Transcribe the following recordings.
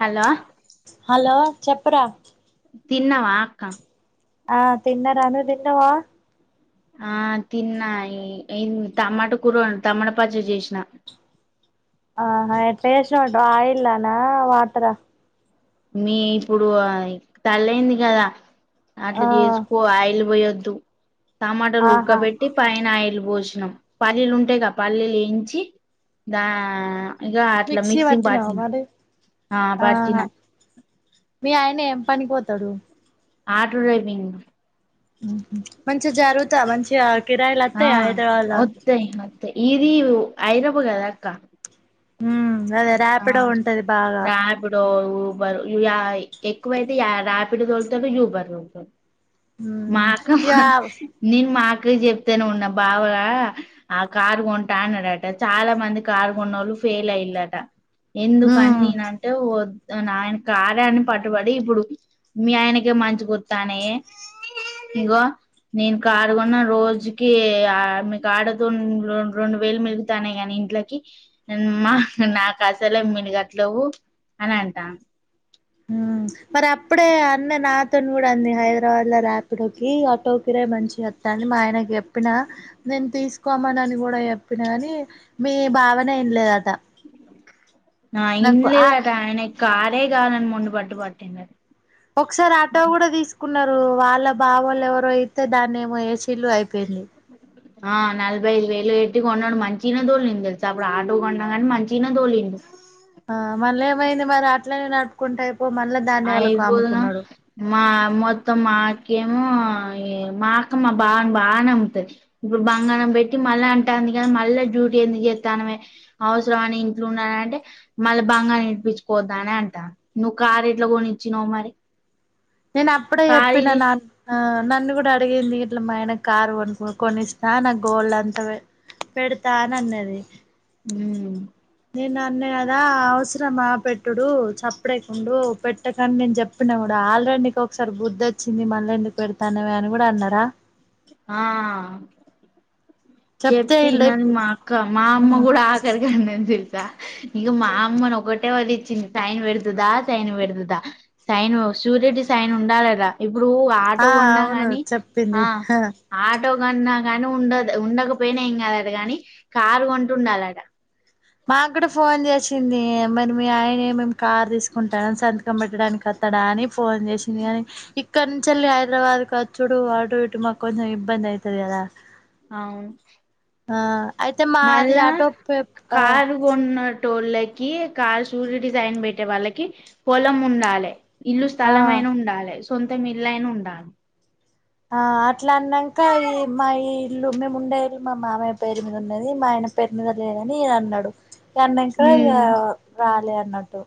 Hello. Hello చెప్పురా. తిన్నవా అక్క. ఆ తిన్నార నువు తిన్నవా. ఆ తిన్నా ఎం టమాట కూర టమాట పచ్చడి చేసిన. ఆహా ఎట్లా చేసినావ్ ఆయిల్లోనా వాటరా. మీ ఇప్పుడు అయి తల్లయ్యింది కదా. ఆట్లు ఆ చేసుకో అయిల్ బొయ్య టు టమాటోలు ఆహా ఉడకబెట్టి పైన ఆయిల్. భోజనం పల్లీలు ఉంటె గ పల్లీలు వేయించి దా. ఇగ అట్లా మిక్సీ మిక్సంగ్ పట్ పట్టినవా మరి ఆ ఆహా పట్టినా. మీ ఆయన ఏం పనికిపోతాడు. ఆటో డ్రైవింగ్ హ [unintelligible] మంచి జరుగుతా మంచిగా. కిరాయిలు ఆ వతాయా హైదరాబాద్లా వత్తాయి వత్తాయి ఇది ఇవు ఐదో బుగ్ కాదా అక్క. ఉం అదే రాపిడో ఉంటది బాగా. ఉబెర్ ఇగ ఎక్కువ అయితే ర్యాపిడో దోల్తాడు యుబర్ దోల్తాడు ఉమ్ మాకా ఇగ నిన్ మాక అక్కకి చెప్తేనే మెన్న బావ ఆ కారు కొంటా అనడట చాలా మంది కారు కొన్నోళ్ళు ఫెయిల్ అయినట ట ఎందుకు అన్ని ఉమ్ నే అటే పొ. నాన్ కారె అని పట్టుబడి ఇప్పుడు మీ ఆయనకే మంచి గుర్తానే ఇగో నేను కారు కొన్న రోజుకి ఎ ఆ మీ కాడతో రెండు వేలు మెలుగుతానే కానీ ఇంట్లోకి మా. నా కాసలే మీల్గట్లేవు అని అంటా. మరి అప్పుడే అన్న నాతోనే కూడా అంది హైదరాబాద్ లో రార్పిడోకి అటో కిరాయిమంచి వస్తాంది మా ఆయనకి చెప్పినా నేను తీసుకోమన అని కూడా చెప్పినా అని మీ భావనే వినలేదట. ఆ ఇన్ లేదట అయినె కర్. అదే కావాలని మొన్నుబట్టు పట్టిందీ ఒకసారి ఆటొ కూడా తీసుకు. కున్నారు వాళ్ళ బావల్ ఎవరు ఇట్టే దాన్ని ఏమో వేసిరు అయిప్. ఆ నలబయి వై. లేట్ గొన్నడు మంచినే దొలింది తెలుసా అప్పుడు ఆటొ కొన్నా కాని మంచినే తోలింది. ఆ మళ్ళీ ఏమైంది మరి అట్లనే నడుపుకుంటె అయిప్. అయిపోదును మ మొత్తం అడి. గేము ఎ మా అక్క మా బావ బాగ నమ్ముతది ఇప్పుడు బంగారం పెట్టి మళ్ళ అంటాంది కదా మళ్ళ డ్యూటీ ఎందుకు జేత్తాన్నవే అవసరం నేను ఇంట్లో ఉన్న అంటే మల్ల బంగారం ఏడిపించి పోతా అని అంటాంది. కార్ ఎట్లా కొనిచ్చినవ్ మరి. నేను అప్పుడే కారు చెప్పిన ఇది నా నన్ను కూడా అడిగింది ఇట్లా మా ఆయన కారు కొనుకు కొనిస్తా నా గోల్డ్ అంతా పెడతా అని అన్నది మ్మ్ నేను అన్న కదా అవసరమా పెటి ఇడు చప్పుడే ఉండు పెట్టకని నేను చెప్పిన కూడా ఆ అ నీకు ఒకసారి బుద్ధి వచ్చింది మళ్ళీ ఎందుకు పెడతానవే అని కూడా అన్నారా ఆ చెప్తే ఇల్ ఈనదు ఇప్పుడు మా అక్క మా అమ్మ కూడా ఆకరికి అన్నది ఇగ ఇగ మా అమ్మనొకట్. వ్యవధిచ్చింది టైన్ పెడుతుదా సైన్ పెడుతుదా సైను సూరెడ్డి సైన్ ఉండాలరా. బురూ ఆ ఆటో కొన్నా అవును గానీ చెప్పింది ఆ ఆటో. నువ్ అన్నాగానీ ఉండద్ ఉండ. నువ్వు పోయినా ఎంకాదు గానీ కారు కొంటుండాలట. మాగుడ ఫోన్ చేసింది. మరి మీ ఆయనేమేం కార్ తీసుకుంటాడ సంతకం పెట్టడానికి కత్తాడా అని. ఫోన్ చేసింది గానీ ఇక్. ఇక్కనుంచెల్లి హైదరాబాద్ కోచ్చుడూ ఆటు ఇటు మాక్ కొంచం ఇబ్బంది ఐతది గదా. అవును. ఆ అయితే మాది మళ్ళా ఆటో పే కారు కొన్నట్. టోళ్ళకి కార్ స్యూరిటీ సైన్ పెట్టే వాళ్ళకి పొలం ఉండాలె. ఇల్లు ఆ స్థలమైనుండాలె స్. సొంతం ఇల్లైనా ఉండాలే. ఆ అట్. ట్లాన్నాక ఈ మయి. ఇల్లు మేము ఉండే ఇల్లు మా మావయ్య పేరు మీద ఉన్నది. మా ఆయన పేరు మీద లేదని అన్నడు. అన్నంక ఇగ ఉమ్ రాలే. న్నట్టు.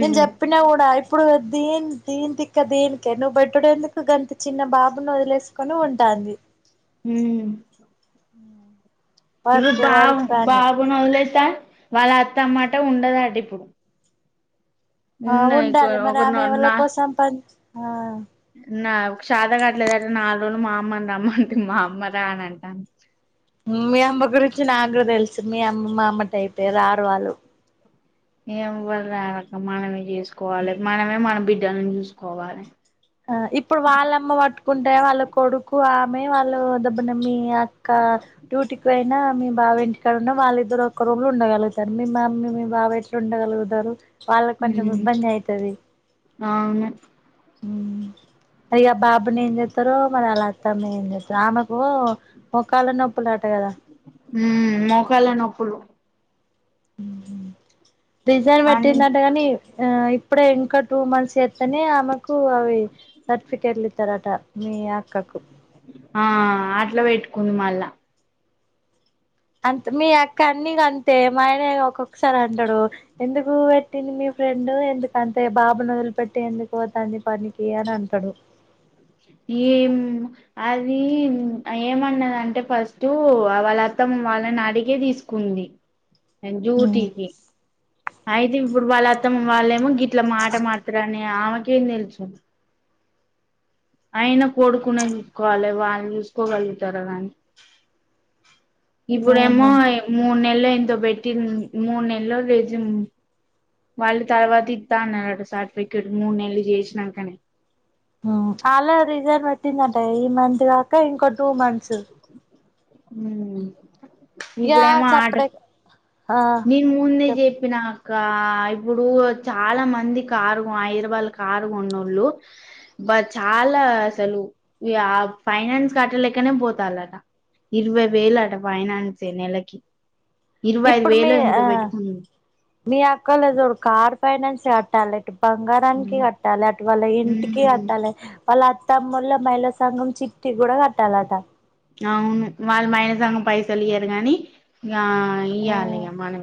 నేన్ చెప్పినా గూడ ఇప్. ఇప్పుడు దీన్ దీన్ తిక్క దినికే నువ్వు పేట్టుడేందుకు గంత చిన్న బాబుని వదిలేసుకొనుంటాంది. హ్మ్. ఆ ఇ బాబు బాబునోదిలేస్. ఫ్యాన్ వాళ్ళ అత్తమ్మాట ఉండదట ఇప్పుడు. ఆ ఉన్నాయి ఉండాలె మరి ఒక ఆమె ఎవళ్ళ కోసం పన్. ఆ నాక్ చాత కావట్లేదని నాలుగు రోజులు మా అమ్మని రమ్మంటే మా అమ్మని రానంటాంది. మీ అమ్మ గురించి నాకు తెలుసు మీ అమ్మ మా అమ్మటైపే రారు వాళ్ళు. ఎవ్వరు రారక్క మనమే చేస్. కోవాలే మనమే మన బిడ్. డ్డలన్ చూసుకోవాలే. ఆ ఇప్పుడు వాళ్ళమ్మ వట్టుకుంటే వాళ్ళ కొడుకు ఆప్. మే వాళ్ళు దబ్బునమ్మి అత్. క్క డ్యూటీక్ వెన్. యినా మీ బావ ఇంటికాడున్నా వాళ్ళిద్దరు ఒక్క రూంలో ఉండగలుగుతారు. మీ మమ్మీ మీ బావ ఎట్ల ఉండగలుగుతారు. వాళ్ళక్ కొంచెం ఉమ్ ఇబ్బందైతది. అవును ఊ అయ్యో ఆ బాబుని ఏం చెత్తరో మరి వాళ్ళ అత్తమ్మ ఏం చేస్తారు ఆమెకు మో కాళ్ళ నొప్పులట కదా ఉమ్ మోకాళ్ళ నొప్పులు డిజైన్ అని పెట్టిందట కని ఆ ఇ ఇప్పుడే ఇంకా టూ మంత్స్ అట్లానే ఆమెకు అవి సర్టిఫికేట్లు ఇస్తారట మీ అక్కకు ఆ ఆట్లా వేట్టుకుంది మల్ల అంతే మీ అక్క అన్నిక అంతే మా ఆయనే ఒక్కొక్కసారి అంటడు, ఎందుకు పెట్టింది మీ ఫ్రెండ్ ఎందుకంతే బాబును వొదిలిపెట్టి ఎందుకు పోతుంది పనికి అని అంటాడు. ఏం అది ఏమన్నదంటే ఫస్ట్ వాళ్ళ అత్తమ్మ వాళ్ళని అడిగే తీసుకుంది అ డూటికి అయితే ఇప్పుడు వాళ్ళ అత్తమ్మ వాళ్ళేమో గిట్ ఇట్లా మాట మారుతరనే ఆమెకేం తెలుసు అయినా కొడుకునే చూసుకోవాలి వాళ్ళు చూసుకోగలుగుతారా కానీ ఇప్పుడు ఎమో ఆహా ఎం మూడు నెల్ వాళ్లేంతో పెట్టి మూడు నెల్లో రెజిం వాళ్ళు తర్వాత ఇత్త అన్నారుట సర్టిఫికెట్ మూడు నెలలు చేసిన నంకనే ఆ ఆ అలా రిజన్ వటింద ట ఏ మంత్ కాక ఇంకో టూ మంత్స్ ఊ యా చప్పుడే ఆ నేను ముందే చెప్ చెప్పిన కా ఇప్పుడు చాలా మంది కారు ఐదరాబాదుల రూపాయల కారు కొన్నోళ్ళు, బ చాలా అసలు య ఫైనాన్స్ కట్టలేకనే పోతారుట ఇరవై వేలు అట ఫైనాన్స్ నెలకి ఇరువైఐదు ఇప్పుడు మీ అక్క క ఫైన్ టాలెంట్ బంగారానికి ఉమ్. కట్టాలా వాళ్ళ ఇంటికి ఉమ్. అట్టాలి వాళ్ళ తమ్ముళ్ల మైళసంగం చిట్టి కూడా కట్టాలట అవును వాళ్ళు మైన సఘం పైస అలిగారు గాని ఇయ హాల మనమ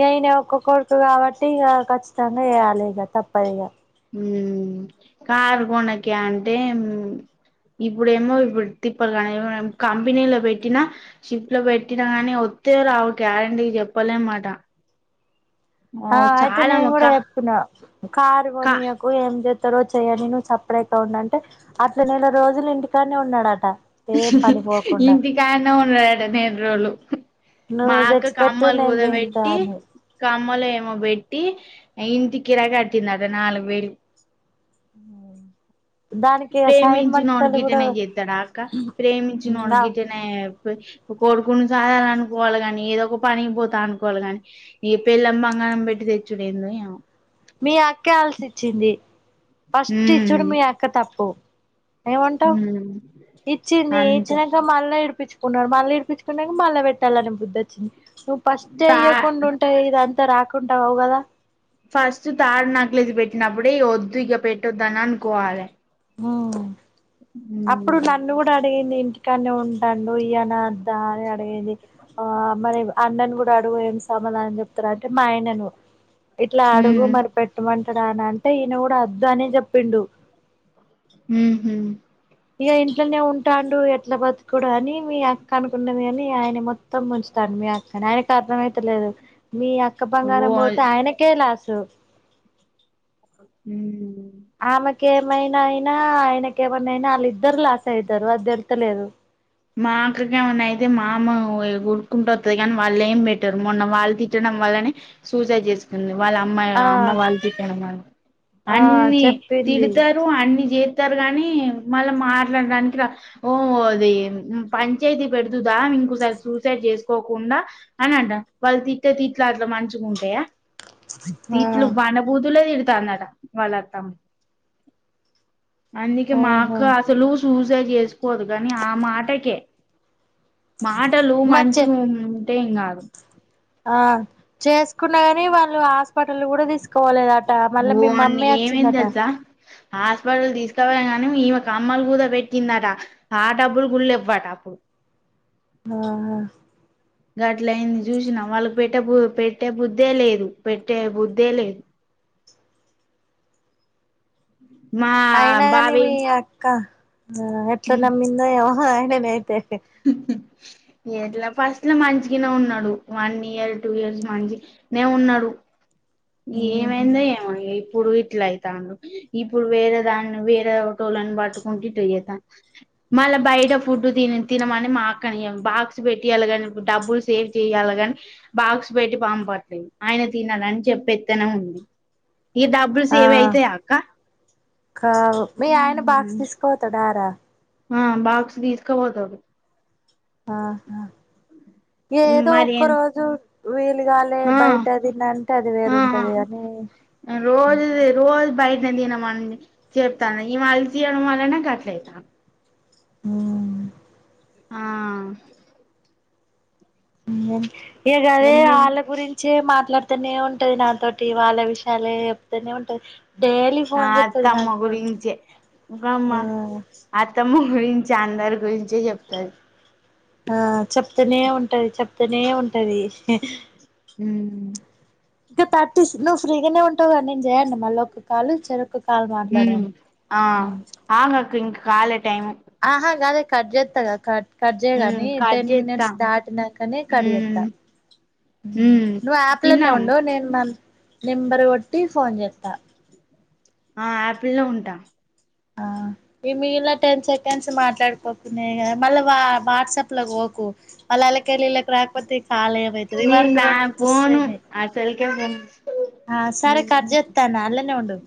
ఇయిన ఒక్క కొడుకు కాబట్టి ఇక ఖచ్చితంగా వయాలి ఇక తప్పదిక కార్ కొనకి అంటే ఇప్పుడేమో ఇప్పుడు తిప్ప కానీ కంపెనీలో పెట్టినా షిఫట్ లో పెట్టినా కానీ వస్తే రావు గ్యారెంటీకి చెప్పాల అనమాట ఆ అయితే నేను కూడా చెప్పుిన కారు కా కోనీయకు ఏం చె ఏం చేస్తాడో చేయని నువు సపరేట్గా ఉన్నా అంటే అట్ల నెల రోజులు ఇంటికాడానే ఉన్నాడట ఏం పనికి పోకుండా ఇంటి కాన్నా ఉన్నా నేల రోజులు మా నువ్వు అక్క తెచ్చిపెట్టు కమ్మలు నేను తంటా కుదబెట్టి అని కమ్మలో ఏమో పెట్టి ఇంటి కిరా కట్టింది అట నాలుగు వేలు ఉ ప్రేమించి కూడా నడుగిటనే చేస్తాడా అక్క ప్రేమించినాడు గిటానే కోడుకును చదాల అనుకోవాలి ని ఏదో ఒక పనికి పోతా అనుకోవాలి ని ఏ పెళ్లం బంగారం పెట్టి తెచ్చుడో ఏమో మీ అక్కే అల్సిచ్చింది ఫస్ట్ ఇచ్చుడు ఉమ్ మీ అక్క తప్పు ఏమంటావు ఉమ్ ఇచ్చింది అంతే ఇచ్చినాక మళ్ళీ ఇడిపించు ఉన్నారు మళ్ళీ విడిపించుకుడానికి మళ్ళా పెట్టాలని బుద్దుొచ్చింది నువ్ ఫస్ట్ ఐ తా ఇయ్యకుండా ఉంటే ఇది అంత రాక కుంంటా వవుగాదా ఫస్ట్ థాడ్ నకిలిది పెట్టినప్పుడే వద్దు ఇక పెట్టొద్దని అనుకోవాలి మ్మ్ అప్పుడు నన్ను కూడా అడిగింది ఇంటికానే ఉంటం నో ఈయన అని అడిగింది ఆ మరీ అన్నని కూడా ంటడు ఏం సమాన అని చెప్తార అంటే మా ఆయనను ఇట్లా అడుగు ఉమ్ మరి పెట్టమంటే అక్కడ అంటే ఈయన కూడా వద్దు అనే చెప్పిండు మ్మ్ హ్మ్ ఇక ఇంట్లోనే ఉంటాండు ఎట్లా బతుకు అని మీ అక్క అనుకున్నది కాని ఆయన మొత్తం ముంచుతాడు మీ అక్కని ఆయనకు అర్థ అయితలేదు మీ అక్క ఓ బంగారం పోతే ఆయనకే లాసు మ్మ్ హ్మ్ అమే ఇక ఏమైనా అయినా ఆయనక ఏమనాయినా వాళ్ళు ఇద్దరు లాస్ అయితారు ఆది తెలుస్తలేదు మా అక్కకేమన్న అయితే మా అమ్మ ఉరుక్కుంటత్తది కానీ వాళ్ళు ఏం పెట్టరు మొన్న వాళ్ళు తిట్టడం వల్లనే సూసైడ్ చేసుకుంది వాళ్ళ అమ్మాయి ఆ అమ్మ వాళ్ళు తిట్టారు అని ఆ అన్నీ చెప్పింది తిడతారు అన్ని చే చెప్తారు గాని మళ్ళీ మాట్లాడడానికి ఓ అది పంచాయితీ పెడుతుందా ఇంకోసారి సూసైడ్ చేసుకోకుండా అని అంటను వాళ్ళు తిట్టే తిట్లు మంచిగా ఉంటయా ఆ తిట్లు బండబూతులే తి తానంట వల్లత్తమ అందుకే ఓహో మాకు అసలు చూసే చేసుకోదు కాని ఆ మాటే ఓకే మాటలు మరి చె మంచిగుం ఏంగాదు ఆ చేస్ కున్నగాని వాళ్ళు ఆ పటలు కూడా తీసు పోలేదట మళ్ళ ఓ మీ అని మమ్మే ఏమైంది అచ్చిందట తెలుసా హాస్పిటల్ తీస్కపోయినం కానీ ఈ కమ్మలు కూద పెట్టిందట ఆ డబ్బులు గుడ లెవ్వట ఆ గట్ల అయింది చూసినావా వాళ్ళకి పెట్టే పెట్టే బుద్ధే లేదు పెట్టే బుద్ధే లేదు మా అయినాగాని బావి మీ అక్క ఆ ఎట్ల ఉమ్, నమ్మిందో ఎమో హై [inaudible] ఎట్లా ఫస్ట్ లో మంచిగానే ఉన్నాడు వన్ ఇయర్ టూ ఇయర్స్ మంచి నే ఉన్నాడు ఉహు ఏమైందో ఏమో ఈ ఇప్పుడు ఇట్ల అయితాండు ఇప్పుడు వేరే దాన్ని వేరే టోలను పట్టుకుంటూ ఇట్లా చేతాండు మళ్ళా బయట ఫుడ్డు తి తినమని మా అక్కని బాక్స్ పెట్టియాలి కాని డబ్బులు సేవ్ చేయ్యాలి కాని బాక్స్ పెట్టి పంపట్లేదు ఆయన తినాలని చెప్ పెత్తనం ఉంది ఆ సేవ్ అయితాయా అక్క కా మీ ఆయన బాక్స్ తీసుకుపోతాడరా ఆ బక్స్ తీస్ కపోతడు ఆహా ఏదో మరి ఒక్క రోజు వేలు గాలే ఆ బయట తిన్నంటే అది వేరుంటది ఆ గాని నిన్ తినమని చెప్తాను ఇగ వాళ్ళు తీయడం వల్లనే గట్ల అయ్యింది నాకు ఊ ఆ మొ హు ఇగ గదే ఎన్ని ఆళ్ళ గురించె మాట్లాడుతనే ఉన్ ఉంటది నాతోటి వాళ్ళ విషయాలే ఏప్తేనే ఉంటది డైలీ ఆ ఫోన్ చేత్తది అత్తమ్మ నాకు గురించే ఆ రమ్మను అత్తమ్మ గురించి అందరి గురించి చెప్తది ఆ చెప్తనే ఉంటది చెప్తనే ఉంటది ఉ ఇంకా పర్టీస్ నువ్వు ఫ్రీగానే ఉంటావు కాని నేను చేయండి మళ్ళ ఒక కాలు చెరు ఒక్క హమ్ ఆ ఆగ్ అక్క ఇంకా కాలే టైము ఆహ గదే కట్ జత్తగా కట్ కట్ చేయ్ హ్మ్. గానీ కట్ టెన్ జేత్తా. మినిట్స్ దాటినాకనే కట్ చేస్తా హ్మ్. హ్మ్. నువ్వు యాప్ లనే తిన్నాం. ఉండు నేను నన్ నెంబరు కొ టి ఫోన్ చేత్తా ఆ ఆపిల్ లో ఉంటా ఆ ఈ మిగిలిన టెన్ సెకండ్స్ మాట్లాడుకోకున్నాయిదా మళ్ళ వా వాట్సాప్ లోకి పోకు వాళ్ళ అళ్ళ కెళ్ళీళ్ళకి రాకపోతే కాల ఏమవుతుది నేను వరకి దా రెండు పోను తుస్సైనాయి అసలకే పోను. ఆ సరే కట్ హ్మ్. చేత్తాన్న అలనే ఉండు